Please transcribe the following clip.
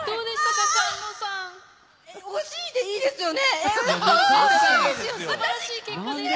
惜しいでいいですよね？